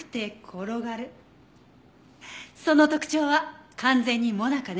その特徴は完全にモナカね。